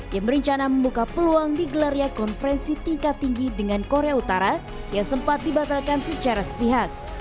yang berencana membuka peluang digelarnya konferensi tingkat tinggi dengan korea utara yang sempat dibatalkan secara sepihak